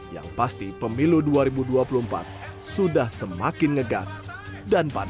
yang pasti pemilu dua ribu dua puluh empat sudah semakin ngegas dan panas